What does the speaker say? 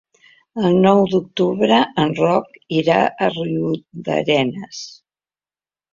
El nou d'octubre en Roc irà a Riudarenes.